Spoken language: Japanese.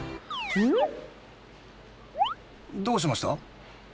ん？どうしました？